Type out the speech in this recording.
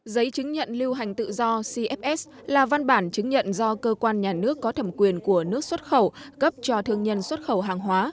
giấy chứng nhận lưu hành tự do cfs là văn bản chứng nhận do cơ quan nhà nước có thẩm quyền của nước xuất khẩu cấp cho thương nhân xuất khẩu hàng hóa